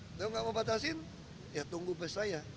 kalau nggak mau batasin ya tunggu bus saya